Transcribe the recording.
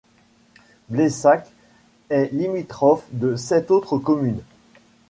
Blessac est limitrophe de sept autres communes.